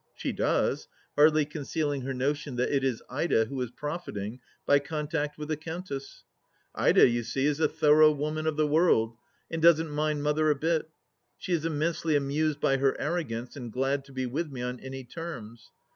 She does, hardly concealing her notion that it is Ida who is profiting by contact with a Countess. Ida, you see, is a thorough woman of the world, and doesn't mind Mother a bit : she is immensely amused by her arrogance and glad to be with me on any terms.